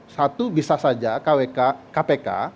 satu bisa saja kpk